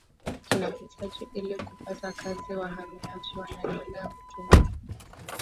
kinahitajika ili kupata kazi Wahamiaji wanaendelea kutumia